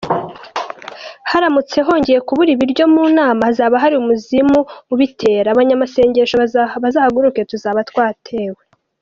Haramutse hongeye kubura ibiryo mu nama, hazaba hari umuzimu ubitera abanyamasengesho bazahaguruke tuzaba twatewe.